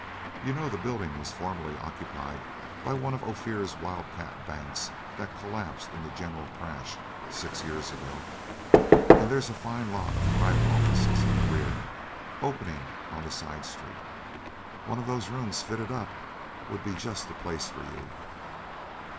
You know the building was formerly occupied by one of Ophir's wildcat banks that collapsed in the general crash six years ago, and there's a fine lot of private offices in the rear, opening on the side street; one of those rooms fitted up would be just the place for you."